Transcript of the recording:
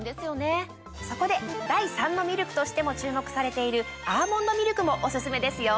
そこで第３のミルクとしても注目されているアーモンドミルクもオススメですよ。